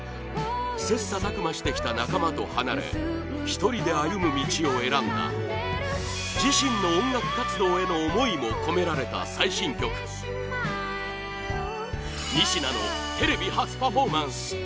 切磋琢磨してきた仲間と離れ１人で歩む道を選んだ自身の音楽活動への思いも込められた最新曲にしなのテレビ初パフォーマンス！